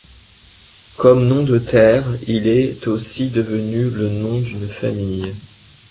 Comme nom de terre, il est aussi devenu le nom d'une famille.